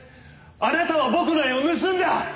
あなたは僕の絵を盗んだ！！